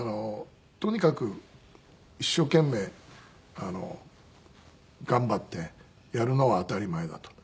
とにかく一生懸命頑張ってやるのは当たり前だと。